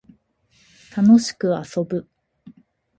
楽しく遊ぶ